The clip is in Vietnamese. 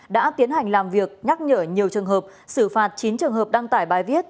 đã tiến hành làm việc nhắc nhở nhiều trường hợp xử phạt chín trường hợp đăng tải bài viết